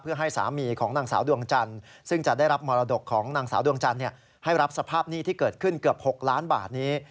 เพื่อให้สามีของนางสาวดวงจันทร์ซึ่งจะได้รับมรดกของนางสาวดวงจันทร์ให้รับสภาพหนี้ที่เกิดขึ้นเกือบ๖ล้านบาทนี้